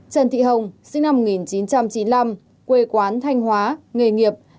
trần thị hồng sinh năm một nghìn chín trăm chín mươi năm quê quán thanh hóa nghề nghiệp